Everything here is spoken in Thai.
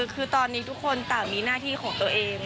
คือตอนนี้ทุกคนต่างมีหน้าที่ของตัวเอง